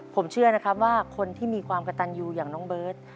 ผมเชื่อนะครับว่าคนที่มีความกระตันยูอย่างน้องเบิร์ต